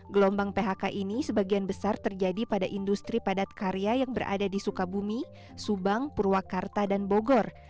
gelombang phk ini sebagian besar terjadi pada industri padat karya yang berada di sukabumi subang purwakarta dan bogor